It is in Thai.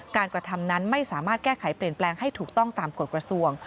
กระทำนั้นไม่สามารถแก้ไขเปลี่ยนแปลงให้ถูกต้องตามกฎกระทรวง